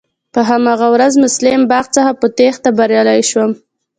په هماغه ورځ مسلم باغ څخه په تېښته بريالی شوم.